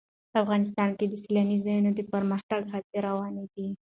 افغانستان کې د سیلاني ځایونو د پرمختګ هڅې روانې دي.